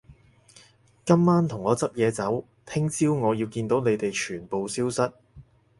今晚同我執嘢走，聽朝我要見到你哋全部消失